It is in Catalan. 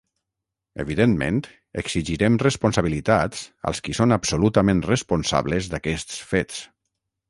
Evidentment exigirem responsabilitats als qui són absolutament responsables d’aquests fets.